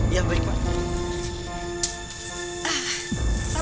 iya baik pak